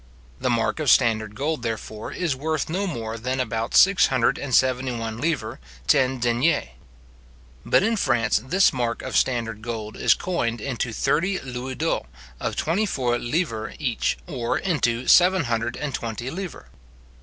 The mark of standard gold, therefore, is worth no more than about six hundred and seventy one livres ten deniers. But in France this mark of standard gold is coined into thirty louis d'ors of twenty four livres each, or into seven hundred and twenty livres.